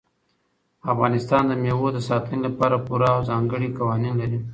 افغانستان د مېوو د ساتنې لپاره پوره او ځانګړي قوانین لري.